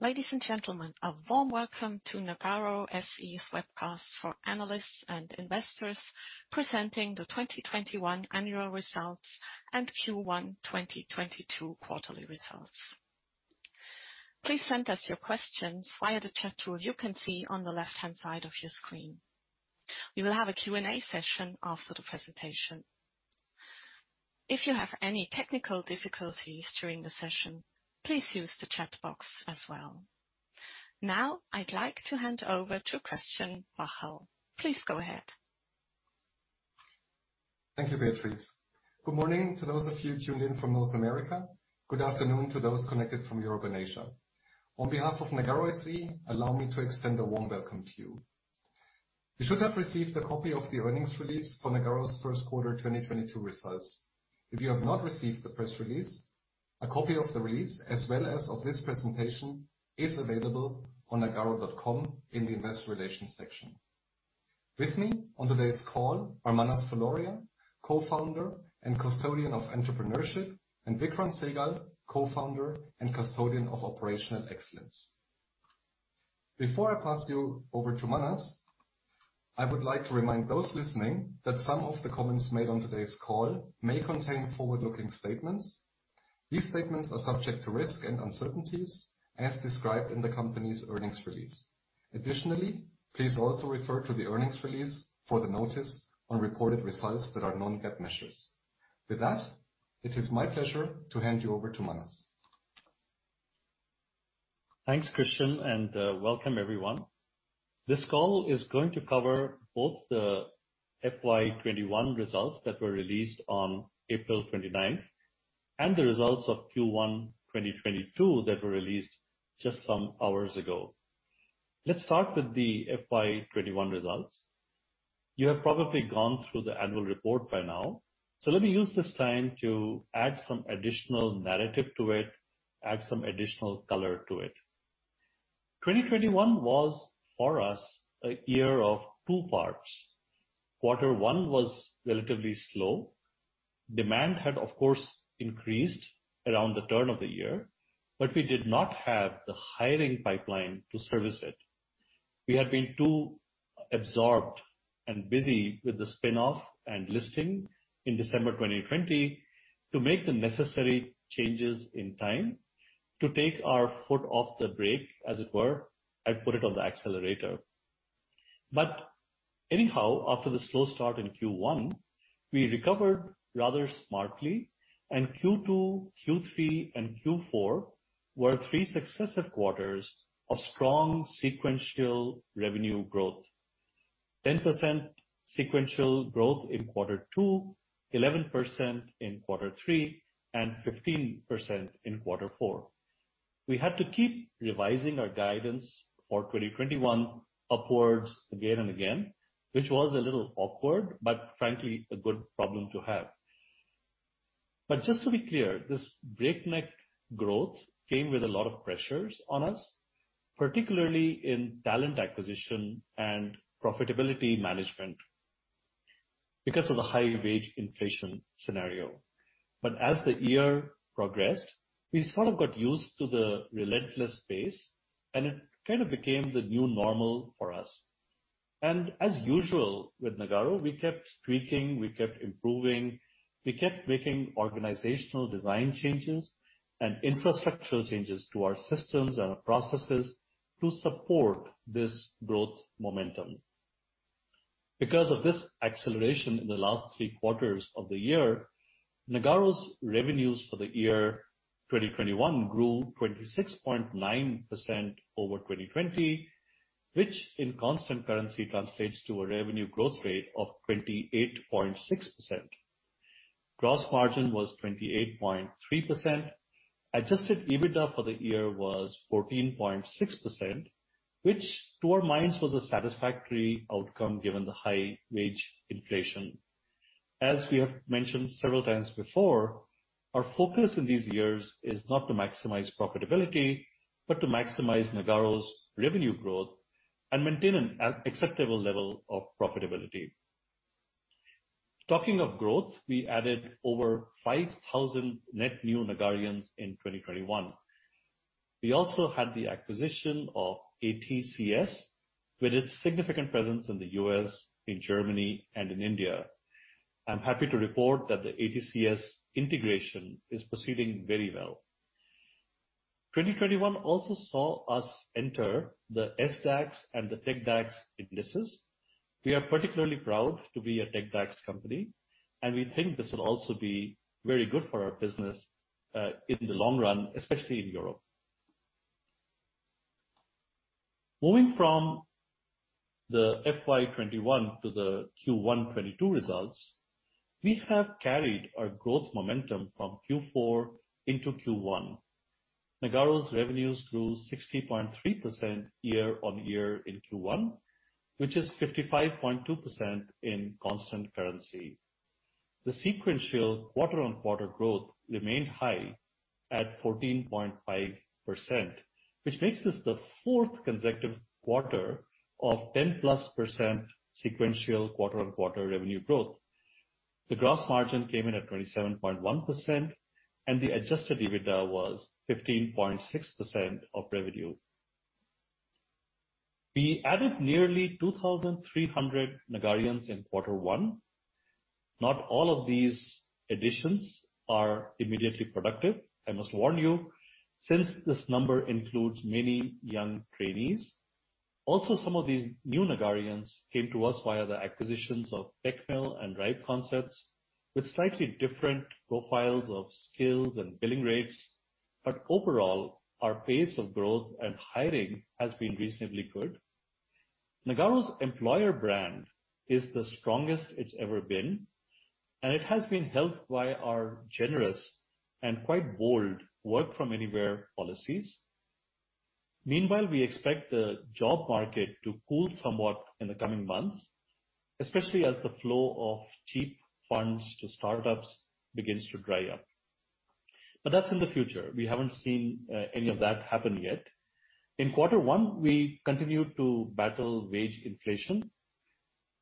Ladies and gentlemen, a warm welcome to Nagarro SE's webcast for analysts and investors presenting the 2021 annual results and Q1 2022 quarterly results. Please send us your questions via the chat tool you can see on the left-hand side of your screen. We will have a Q&A session after the presentation. If you have any technical difficulties during the session, please use the chat box as well. Now, I'd like to hand over to Christian Bacherl. Please go ahead. Thank you, Beatrice. Good morning to those of you tuned in from North America. Good afternoon to those connected from Europe and Asia. On behalf of Nagarro SE, allow me to extend a warm welcome to you. You should have received a copy of the earnings release for Nagarro's first quarter 2022 results. If you have not received the press release, a copy of the release as well as of this presentation is available on Nagarro.com in the investor relations section. With me on today's call are Manas Fuloria, co-founder and custodian of entrepreneurship, and Vikram Sehgal, co-founder and custodian of operational excellence. Before I pass you over to Manas, I would like to remind those listening that some of the comments made on today's call may contain forward-looking statements. These statements are subject to risks and uncertainties as described in the company's earnings release. Additionally, please also refer to the earnings release for the notice on reported results that are non-GAAP measures. With that, it is my pleasure to hand you over to Manas. Thanks, Christian, and welcome everyone. This call is going to cover both the FY 2021 results that were released on April 29 and the results of Q1 2022 that were released just some hours ago. Let's start with the FY 2021 results. You have probably gone through the annual report by now, so let me use this time to add some additional narrative to it, add some additional color to it. 2021 was, for us, a year of two parts. Quarter one was relatively slow. Demand had, of course, increased around the turn of the year, but we did not have the hiring pipeline to service it. We had been too absorbed and busy with the spin-off and listing in December 2020 to make the necessary changes in time to take our foot off the brake, as it were, and put it on the accelerator. Anyhow, after the slow start in Q1, we recovered rather smartly, and Q2, Q3, and Q4 were three successive quarters of strong sequential revenue growth. 10% sequential growth in quarter two, 11% in quarter three, and 15% in quarter four. We had to keep revising our guidance for 2021 upwards again and again, which was a little awkward, but frankly, a good problem to have. Just to be clear, this breakneck growth came with a lot of pressures on us, particularly in talent acquisition and profitability management because of the high wage inflation scenario. As the year progressed, we sort of got used to the relentless pace, and it kind of became the new normal for us. As usual with Nagarro, we kept tweaking, we kept improving, we kept making organizational design changes and infrastructural changes to our systems and our processes to support this growth momentum. Because of this acceleration in the last three quarters of the year, Nagarro's revenues for the year 2021 grew 26.9% over 2020, which in constant currency translates to a revenue growth rate of 28.6%. Gross margin was 28.3%. adjusted EBITDA for the year was 14.6%, which to our minds was a satisfactory outcome given the high wage inflation. As we have mentioned several times before, our focus in these years is not to maximize profitability, but to maximize Nagarro's revenue growth and maintain an acceptable level of profitability. Talking of growth, we added over 5,000 net new Nagarrians in 2021. We also had the acquisition of ATCS with its significant presence in the U.S., in Germany, and in India. I'm happy to report that the ATCS integration is proceeding very well. 2021 also saw us enter the SDAX and the TecDAX indices. We are particularly proud to be a TecDAX company, and we think this will also be very good for our business, in the long run, especially in Europe. Moving from the FY 2021 to the Q1 2022 results, we have carried our growth momentum from Q4 into Q1. Nagarro's revenues grew 60.3% year-on-year in Q1, which is 55.2% in constant currency. The sequential quarter-on-quarter growth remained high at 14.5%, which makes this the fourth consecutive quarter of 10+% sequential quarter-on-quarter revenue growth. The gross margin came in at 27.1% and the adjusted EBITDA was 15.6% of revenue. We added nearly 2,300 Nagarrians in quarter one. Not all of these additions are immediately productive, I must warn you, since this number includes many young trainees. Also, some of these new Nagarrians came to us via the acquisitions of Techmill Global and Right Concepts with slightly different profiles of skills and billing rates. Overall, our pace of growth and hiring has been reasonably good. Nagarro's employer brand is the strongest it's ever been, and it has been helped by our generous and quite bold Work From Anywhere policies. Meanwhile, we expect the job market to cool somewhat in the coming months, especially as the flow of cheap funds to startups begins to dry up. That's in the future. We haven't seen any of that happen yet. In quarter one, we continued to battle wage inflation.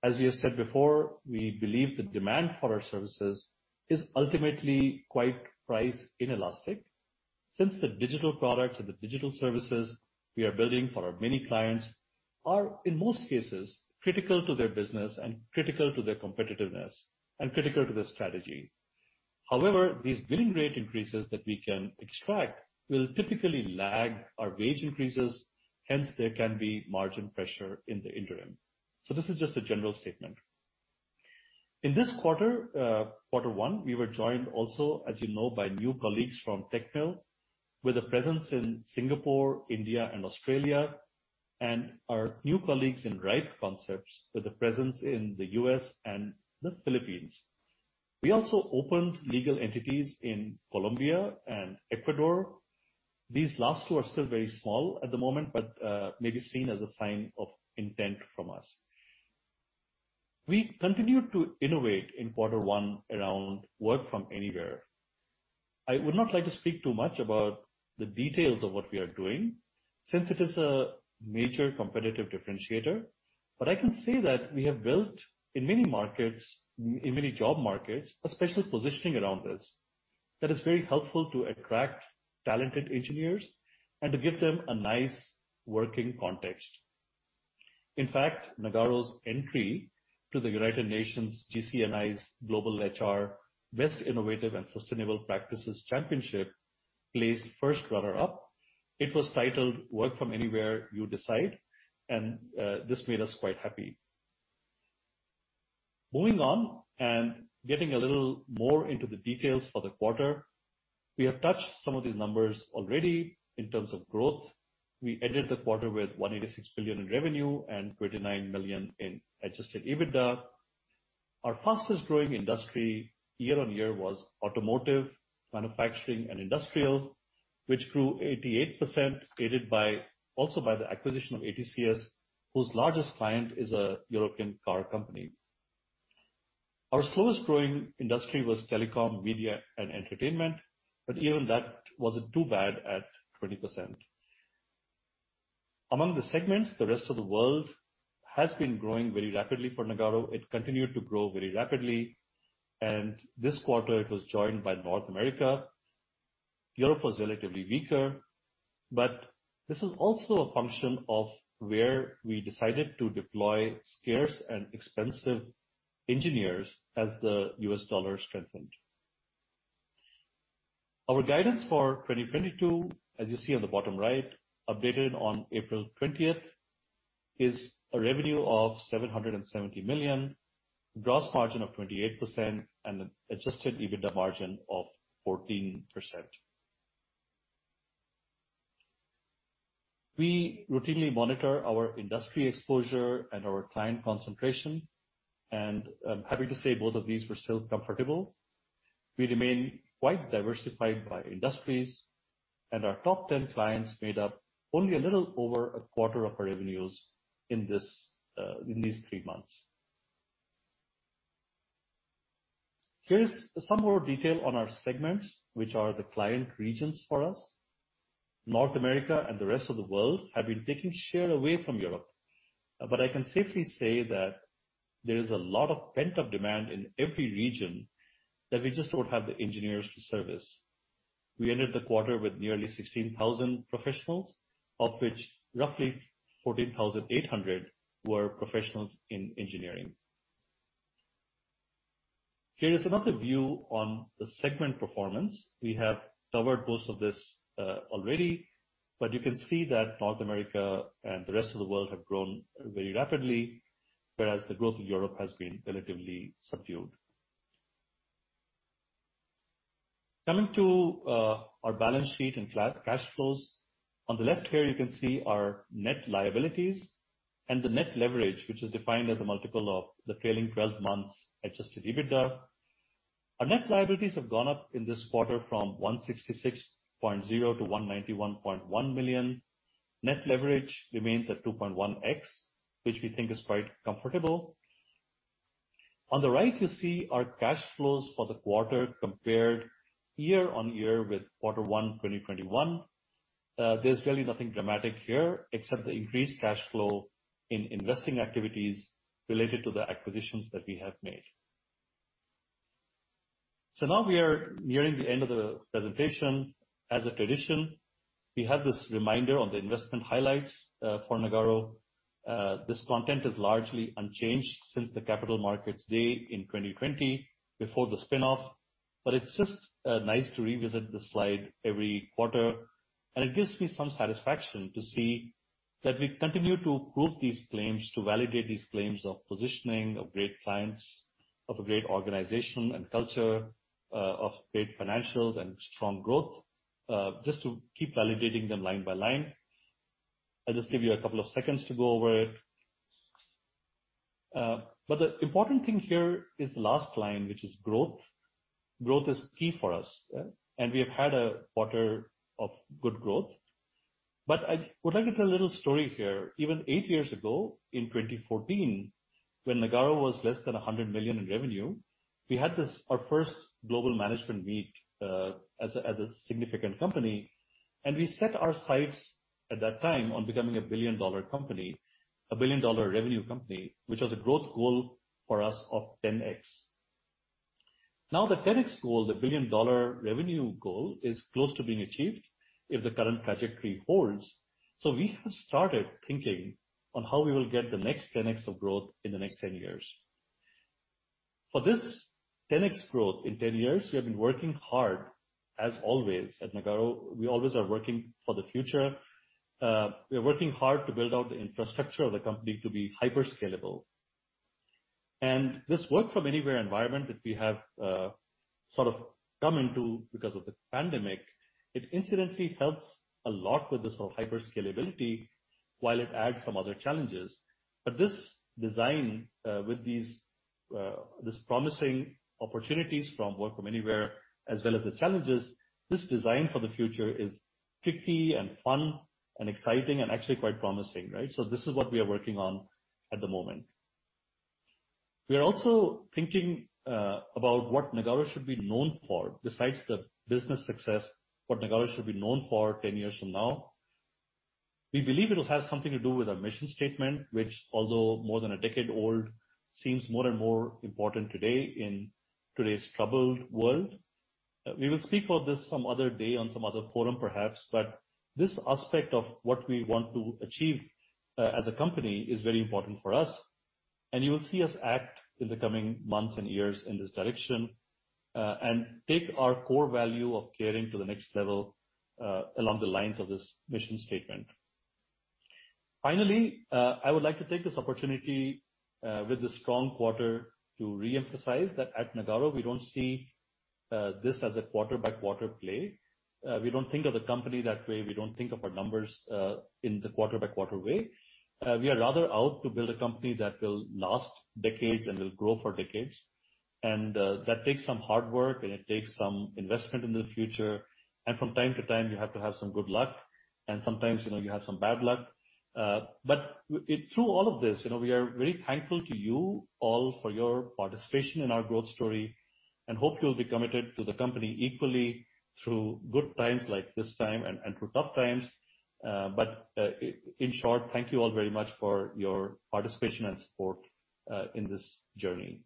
As we have said before, we believe the demand for our services is ultimately quite price inelastic. Since the digital products and the digital services we are building for our many clients are, in most cases, critical to their business and critical to their competitiveness and critical to their strategy. However, these billing rate increases that we can extract will typically lag our wage increases. Hence, there can be margin pressure in the interim. This is just a general statement. In this quarter one, we were joined also, as you know, by new colleagues from Techmill Global, with a presence in Singapore, India and Australia, and our new colleagues in Right Concepts, with a presence in the U.S. and the Philippines. We also opened legal entities in Colombia and Ecuador. These last two are still very small at the moment, but may be seen as a sign of intent from us. We continued to innovate in quarter one around Work From Anywhere. I would not like to speak too much about the details of what we are doing since it is a major competitive differentiator. I can say that we have built in many markets, in many job markets, a special positioning around this that is very helpful to attract talented engineers and to give them a nice working context. In fact, Nagarro's entry to the United Nations GCNI's Global HR Best Innovative and Sustainable Practices Championship placed first runner-up. It was titled Work From Anywhere You Decide, and this made us quite happy. Moving on and getting a little more into the details for the quarter. We have touched some of these numbers already in terms of growth. We ended the quarter with 186 million in revenue and 29 million in adjusted EBITDA. Our fastest growing industry year-over-year was automotive, manufacturing and industrial, which grew 88%, aided by also by the acquisition of ATCS, whose largest client is a European car company. Our slowest growing industry was telecom, media and entertainment, but even that wasn't too bad at 20%. Among the segments, the rest of the world has been growing very rapidly for Nagarro. It continued to grow very rapidly, and this quarter it was joined by North America. Europe was relatively weaker, but this is also a function of where we decided to deploy scarce and expensive engineers as the U.S. dollar strengthened. Our guidance for 2022, as you see on the bottom right, updated on April twentieth, is a revenue of 770 million, gross margin of 28% and an adjusted EBITDA margin of 14%. We routinely monitor our industry exposure and our client concentration, and I'm happy to say both of these were still comfortable. We remain quite diversified by industries and our top 10 clients made up only a little over a quarter of our revenues in this, in these three months. Here's some more detail on our segments, which are the client regions for us. North America and the rest of the world have been taking share away from Europe. I can safely say that there is a lot of pent-up demand in every region that we just don't have the engineers to service. We ended the quarter with nearly 16,000 professionals, of which roughly 14,800 were professionals in engineering. Here is another view on the segment performance. We have covered most of this already, but you can see that North America and the rest of the world have grown very rapidly, whereas the growth of Europe has been relatively subdued. Coming to our balance sheet and cash flows. On the left here you can see our net liabilities and the net leverage, which is defined as a multiple of the trailing 12 months adjusted EBITDA. Our net liabilities have gone up in this quarter from 166.0 million to 191.1 million. Net leverage remains at 2.1x, which we think is quite comfortable. On the right you see our cash flows for the quarter compared year-over-year with Q1 2021. There's really nothing dramatic here except the increased cash flow in investing activities related to the acquisitions that we have made. Now we are nearing the end of the presentation. As a tradition, we have this reminder on the investment highlights for Nagarro. This content is largely unchanged since the Capital Markets Day in 2020, before the spin-off, but it's just nice to revisit this slide every quarter. It gives me some satisfaction to see that we continue to prove these claims, to validate these claims of positioning, of great clients, of a great organization and culture, of great financials and strong growth, just to keep validating them line by line. I'll just give you a couple of seconds to go over it. The important thing here is the last line, which is growth. Growth is key for us, and we have had a quarter of good growth. I would like to tell a little story here. Even eight years ago, in 2014, when Nagarro was less than 100 million in revenue, we had this, our first global management meet, as a significant company, and we set our sights at that time on becoming a billion-dollar company, a billion-dollar revenue company, which was a growth goal for us of 10x. Now, the 10x goal, the billion-dollar revenue goal, is close to being achieved if the current trajectory holds. We have started thinking on how we will get the next 10x of growth in the next 10 years. For this 10x growth in 10 years, we have been working hard, as always. At Nagarro, we always are working for the future. We are working hard to build out the infrastructure of the company to be hyper scalable. This Work From Anywhere environment that we have, sort of come into because of the pandemic, it incidentally helps a lot with this whole hyper scalability while it adds some other challenges. This design, with this promising opportunities from Work From Anywhere as well as the challenges, this design for the future is tricky and fun and exciting and actually quite promising, right? This is what we are working on at the moment. We are also thinking about what Nagarro should be known for. Besides the business success, what Nagarro should be known for ten years from now. We believe it'll have something to do with our mission statement, which although more than a decade old, seems more and more important today in today's troubled world. We will speak of this some other day on some other forum perhaps, but this aspect of what we want to achieve, as a company is very important for us, and you will see us act in the coming months and years in this direction, and take our core value of caring to the next level, along the lines of this mission statement. Finally, I would like to take this opportunity, with a strong quarter to reemphasize that at Nagarro we don't see this as a quarter by quarter play. We don't think of the company that way. We don't think of our numbers, in the quarter by quarter way. We are rather out to build a company that will last decades and will grow for decades. That takes some hard work and it takes some investment in the future. From time to time, you have to have some good luck, and sometimes, you know, you have some bad luck. Through all of this, you know, we are very thankful to you all for your participation in our growth story, and hope you'll be committed to the company equally through good times like this time and through tough times. In short, thank you all very much for your participation and support, in this journey.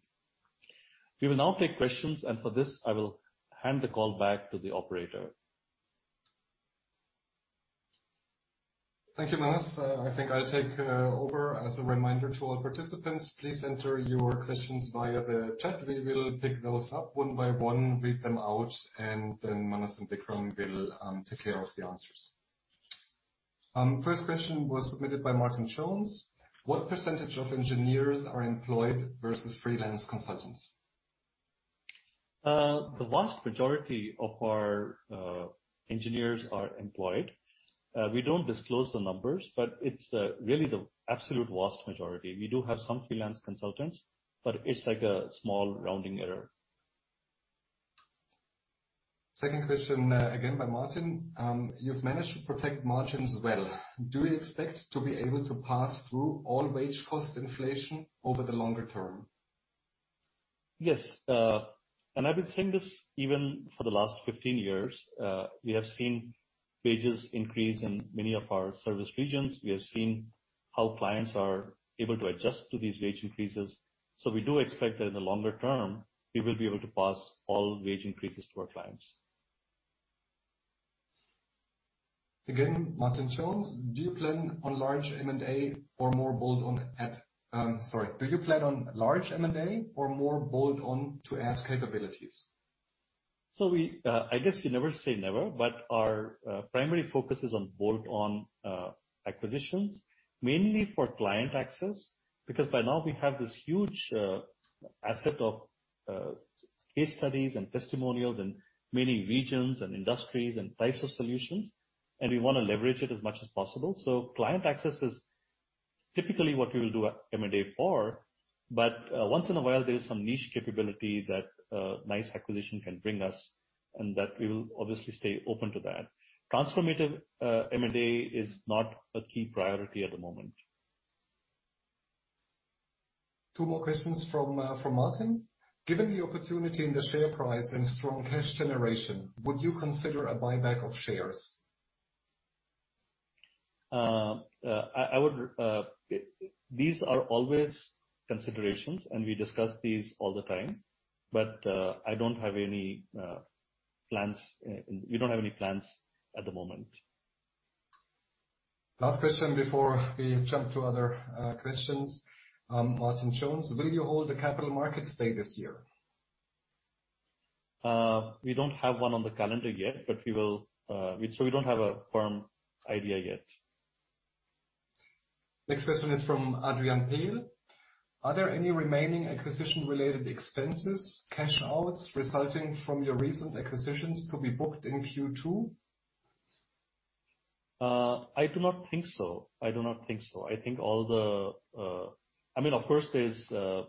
We will now take questions, and for this, I will hand the call back to the operator. Thank you, Manas. I think I'll take over. As a reminder to all participants, please enter your questions via the chat. We will pick those up one by one, read them out, and then Manas and Vikram will take care of the answers. First question was submitted by Martin Jones. What percentage of engineers are employed versus freelance consultants? The vast majority of our engineers are employed. We don't disclose the numbers, but it's really the absolute vast majority. We do have some freelance consultants, but it's like a small rounding error. Second question, again by Martin. You've managed to protect margins well. Do you expect to be able to pass through all wage cost inflation over the longer term? Yes. I've been saying this even for the last 15 years. We have seen wages increase in many of our service regions. We have seen how clients are able to adjust to these wage increases. We do expect that in the longer term, we will be able to pass all wage increases to our clients. Again, Martin Jones. Do you plan on large M&A or more bolt-on to add capabilities? We, I guess you never say never, but our primary focus is on bolt-on acquisitions, mainly for client access. Because by now we have this huge asset of case studies and testimonials in many regions and industries and types of solutions, and we wanna leverage it as much as possible. Client access is typically what we will do M&A for, but once in a while, there is some niche capability that a nice acquisition can bring us, and that we will obviously stay open to that. Transformative M&A is not a key priority at the moment. Two more questions from Martin. Given the opportunity in the share price and strong cash generation, would you consider a buyback of shares? These are always considerations, and we discuss these all the time, but I don't have any plans. We don't have any plans at the moment. Last question before we jump to other questions. Martin Jones. Will you hold a Capital Markets Day this year? We don't have one on the calendar yet, but we will. We don't have a firm idea yet. Next question is from Adrian Pehl. Are there any remaining acquisition-related expenses, cash outs, resulting from your recent acquisitions to be booked in Q2? I do not think so. I think all the, I mean, of course, there's. I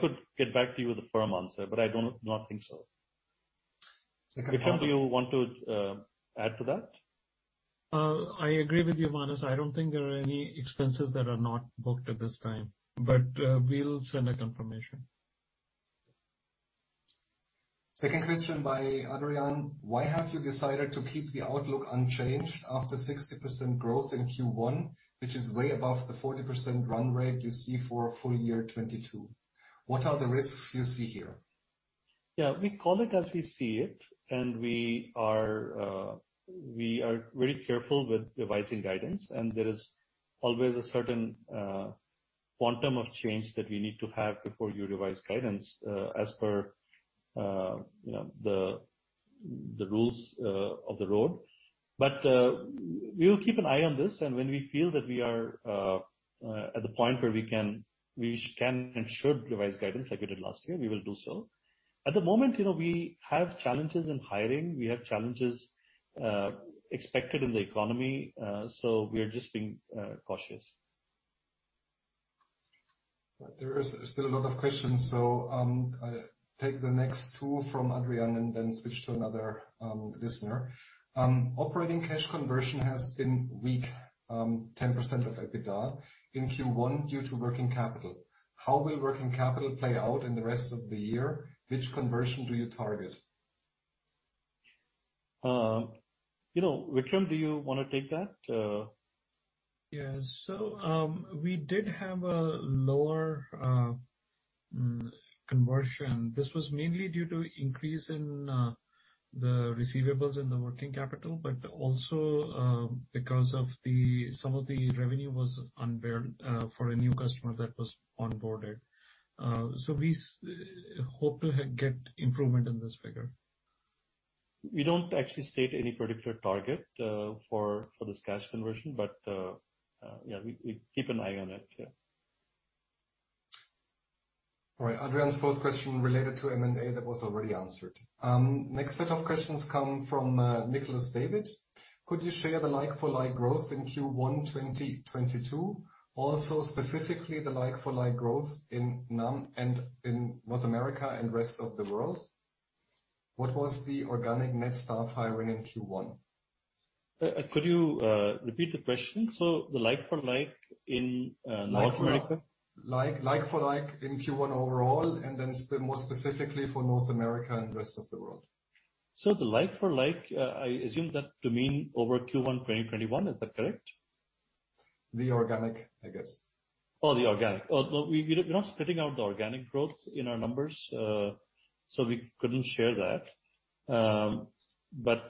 could get back to you with a firm answer, but I do not think so. Vikram, do you want to add to that? I agree with you, Manas. I don't think there are any expenses that are not booked at this time, but we'll send a confirmation. Second question by Adrian Pehl: Why have you decided to keep the outlook unchanged after 60% growth in Q1, which is way above the 40% run rate you see for full year 2022? What are the risks you see here? Yeah, we call it as we see it, and we are very careful with revising guidance, and there is always a certain quantum of change that we need to have before we revise guidance, as per, you know, the rules of the road. We'll keep an eye on this, and when we feel that we are at the point where we can and should revise guidance like we did last year, we will do so. At the moment, you know, we have challenges in hiring, we have challenges expected in the economy, so we are just being cautious. There is still a lot of questions, so, I'll take the next two from Adrian and then switch to another listener. Operating cash conversion has been weak, 10% of EBITDA in Q1 due to working capital. How will working capital play out in the rest of the year? Which conversion do you target? You know, Vikram, do you wanna take that? Yes. We did have a lower conversion. This was mainly due to increase in the receivables in the working capital, but also because of some of the revenue was unbilled for a new customer that was onboarded. We hope to get improvement in this figure. We don't actually state any particular target for this cash conversion, but yeah, we keep an eye on it, yeah. All right. Adrian's fourth question related to M&A, that was already answered. Next set of questions come from Nicolas David. Could you share the like for like growth in Q1, 2022? Also specifically the like for like growth in NAM and in North America and rest of the world. What was the organic net staff hiring in Q1? Could you repeat the question? The like for like in North America? Like for like in Q1 overall, and then more specifically for North America and Rest of the World. The like for like, I assume that to mean over Q1, 2021. Is that correct? The organic, I guess. Oh, the organic. Well, we're not splitting out the organic growth in our numbers, so we couldn't share that. Yeah,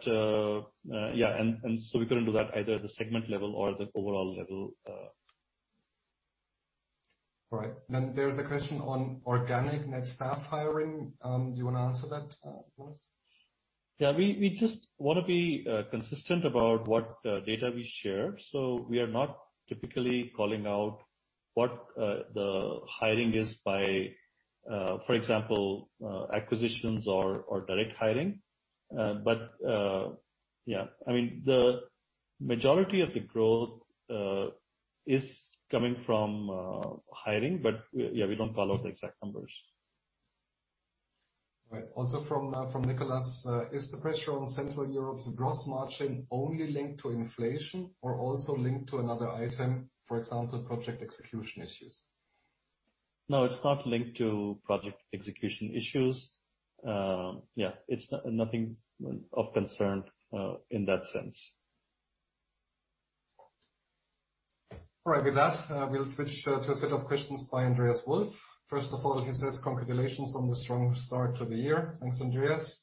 so we couldn't do that either at the segment level or the overall level. All right. There is a question on organic net staff hiring. Do you wanna answer that, Manas? Yeah. We just wanna be consistent about what data we share. We are not typically calling out what the hiring is by, for example, acquisitions or direct hiring. Yeah, I mean, the majority of the growth is coming from hiring, but yeah, we don't call out the exact numbers. Right. Also from Nicolas: Is the pressure on Central Europe's gross margin only linked to inflation or also linked to another item, for example, project execution issues? No, it's not linked to project execution issues. Yeah, it's nothing of concern, in that sense. All right. With that, we'll switch to a set of questions by Andreas Wolf. First of all, he says congratulations on the strong start to the year. Thanks, Andreas.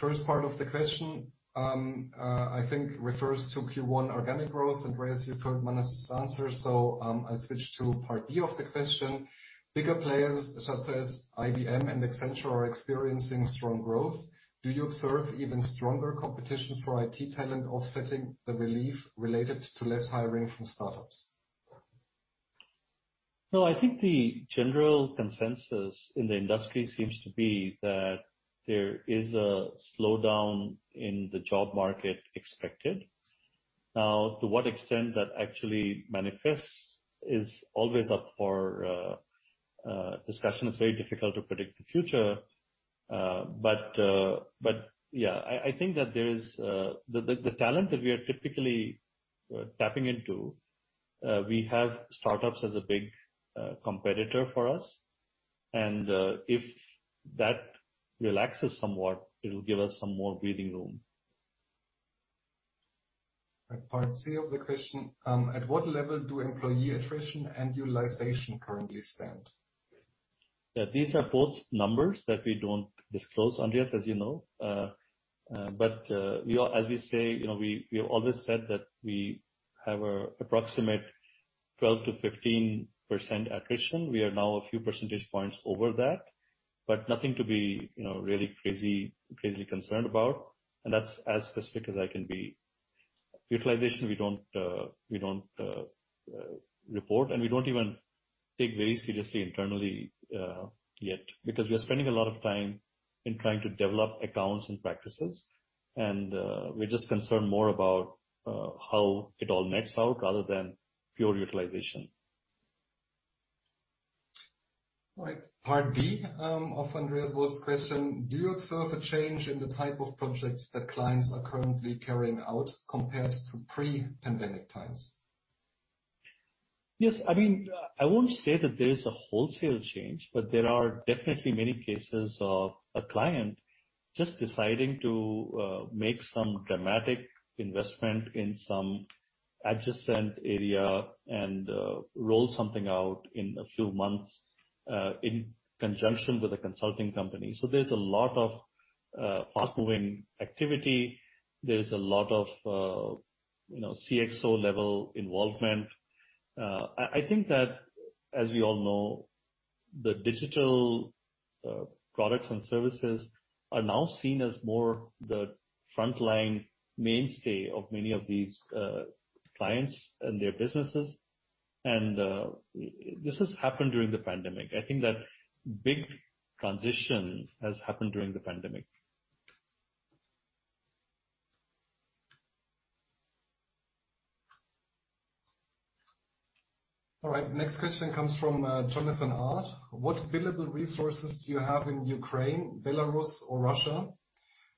First part of the question, I think refers to Q1 organic growth. Andreas, you heard Manas' answer, so I switch to part B of the question. Bigger players such as IBM and Accenture are experiencing strong growth. Do you observe even stronger competition for IT talent offsetting the relief related to less hiring from startups? No, I think the general consensus in the industry seems to be that there is a slowdown in the job market expected. Now, to what extent that actually manifests is always up for discussion. It's very difficult to predict the future. I think that there's the talent that we are typically tapping into, we have startups as a big competitor for us. If that relaxes somewhat, it'll give us some more breathing room. At part C of the question. At what level do employee attrition and utilization currently stand? Yeah, these are both numbers that we don't disclose, Andreas, as you know. As we say, you know, we have always said that we have an approximate 12%-15% attrition. We are now a few percentage points over that, but nothing to be, you know, really crazy concerned about. That's as specific as I can be. Utilization, we don't report, and we don't even take very seriously internally yet. Because we are spending a lot of time in trying to develop accounts and practices. We're just concerned more about how it all nets out rather than pure utilization. All right. Part D of Andreas Wolf's question. Do you observe a change in the type of projects that clients are currently carrying out compared to pre-pandemic times? Yes. I mean, I won't say that there's a wholesale change, but there are definitely many cases of a client just deciding to make some dramatic investment in some adjacent area and roll something out in a few months in conjunction with a consulting company. So there's a lot of fast-moving activity. There's a lot of you know, CXO-level involvement. I think that, as we all know, the digital products and services are now seen as more the frontline mainstay of many of these clients and their businesses. This has happened during the pandemic. I think that big transition has happened during the pandemic. All right. Next question comes from Jonathan Ard. What billable resources do you have in Ukraine, Belarus, or Russia?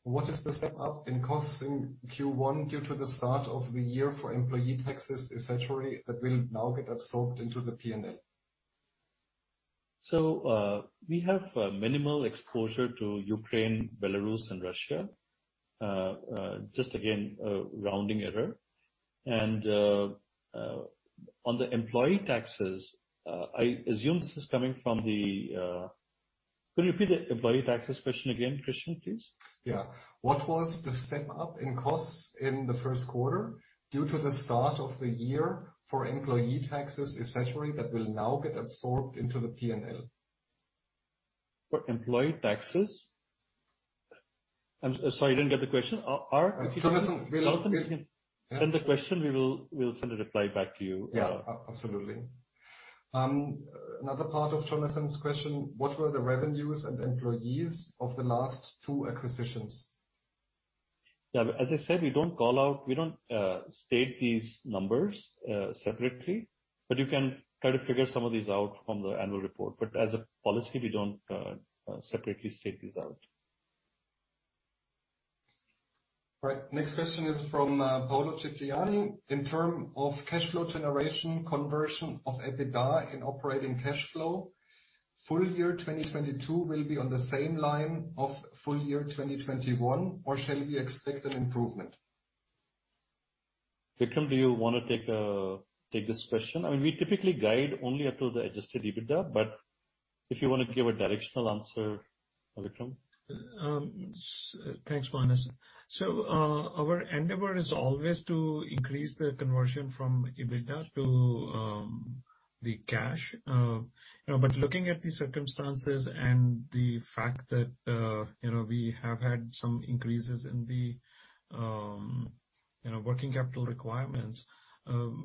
What is the step-up in costs in Q1 due to the start of the year for employee taxes, et cetera, that will now get absorbed into the P&L? We have minimal exposure to Ukraine, Belarus, and Russia. Just again, a rounding error. On the employee taxes, could you repeat the employee taxes question again, Christian, please? Yeah. What was the step-up in costs in the first quarter due to the start of the year for employee taxes, et cetera, that will now get absorbed into the P&L? For employee taxes? I'm sorry, I didn't get the question. Ard, if you can- Jonathan, we'll Send the question, we will, we'll send a reply back to you. Yeah. Absolutely. Another part of Jonathan's question: What were the revenues and employees of the last two acquisitions? Yeah. As I said, we don't state these numbers separately. You can try to figure some of these out from the annual report. As a policy, we don't separately state these out. All right. Next question is from Paolo Ciccioli. In terms of cash flow generation conversion of EBITDA into operating cash flow, full year 2022 will be on the same line of full year 2021, or shall we expect an improvement? Vikram, do you wanna take this question? I mean, we typically guide only up to the adjusted EBITDA, but if you wanna give a directional answer, Vikram. Thanks, Manas. Our endeavor is always to increase the conversion from EBITDA to the cash. You know, but looking at the circumstances and the fact that, you know, we have had some increases in the, you know, working capital requirements,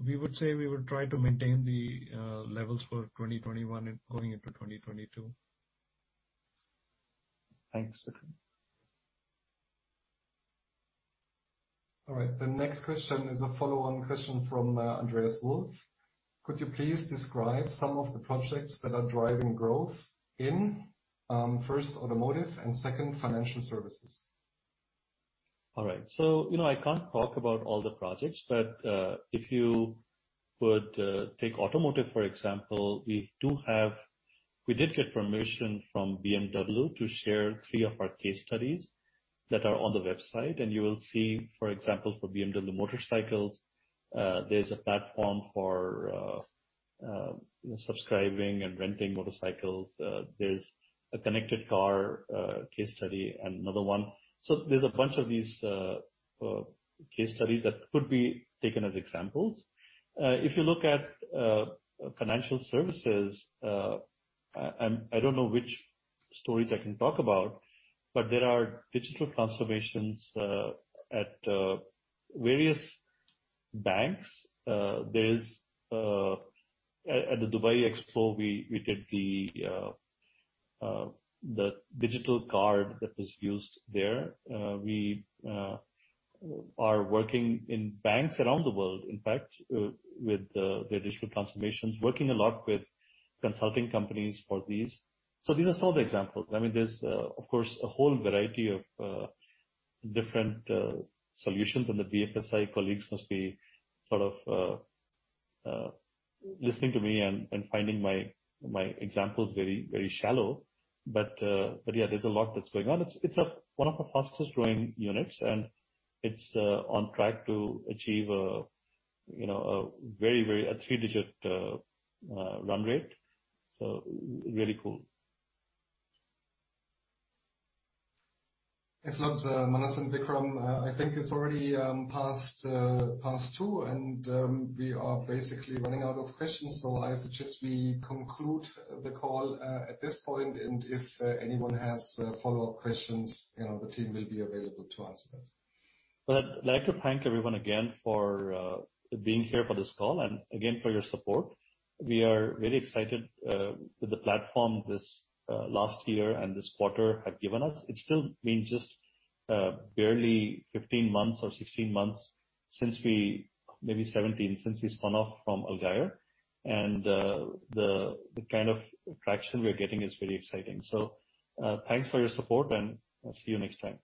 we would say we would try to maintain the levels for 2021 and going into 2022. Thanks, Vikram. All right. The next question is a follow-on question from Andreas Wolf. Could you please describe some of the projects that are driving growth in first automotive and second financial services? All right. You know, I can't talk about all the projects, but if you would take automotive, for example, we did get permission from BMW to share three of our case studies that are on the website. You will see, for example, for BMW Motorrad, there's a platform for subscribing and renting motorcycles. There's a connected car case study and another one. There's a bunch of these case studies that could be taken as examples. If you look at financial services, I don't know which stories I can talk about, but there are digital transformations at various banks. At the Dubai Expo, we did the digital card that was used there. We are working in banks around the world, in fact, with their digital transformations, working a lot with consulting companies for these. These are some of the examples. I mean, there's of course a whole variety of different solutions. The BFSI colleagues must be sort of listening to me and finding my examples very shallow. Yeah, there's a lot that's going on. It's one of our fastest growing units, and it's on track to achieve a, you know, a very, very three-digit run rate. Really cool. Thanks a lot, Manas and Vikram. I think it's already past two, and we are basically running out of questions, so I suggest we conclude the call at this point, and if anyone has follow-up questions, you know, the team will be available to answer those. Well, I'd like to thank everyone again for being here for this call and again for your support. We are very excited with the platform this last year and this quarter have given us. It's still been just barely 15 months or 16 months, maybe 17, since we spun off from Allgeier. The kind of traction we are getting is very exciting. Thanks for your support, and I'll see you next time.